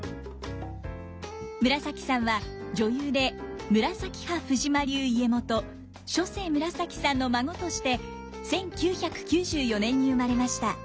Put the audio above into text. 紫さんは女優で紫派藤間流家元初世紫さんの孫として１９９４年に生まれました。